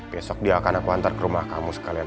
besok dia akan aku antar ke rumah kamu sekalian